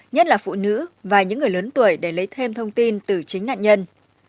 nhất là phụ nữ và những người lớn tuổi để lấy thêm thông tin từ chính nạn nhân